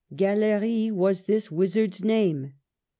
Gallery was this wizard's name.